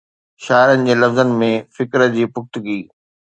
شاعرن جي لفظن ۾ فڪر جي پختگي